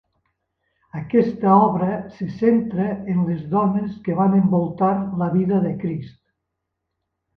Aquesta obra se centra en les dones que van envoltar la vida de Crist.